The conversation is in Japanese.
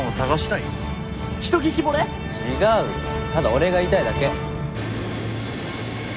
ただお礼が言いたいだけ。